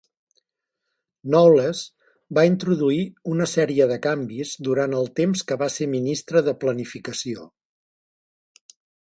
Knowles va introduir una sèrie de canvis durant el temps que va ser ministre de planificació.